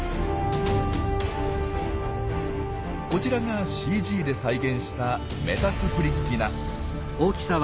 こちらがＣＧで再現したメタスプリッギナ。